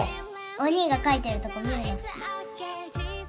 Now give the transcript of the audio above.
お兄が描いてるとこ見るの好き。